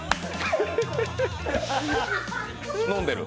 飲んでる？